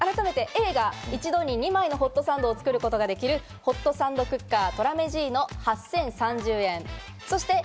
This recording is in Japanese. Ａが一度に２枚のホットサンドを作ることができるホットサンドクッカー・トラメジーノで、８０３０円。